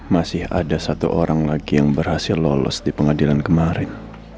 masih ada satu orang lagi yang berhasil lolos di pengadilan kemarin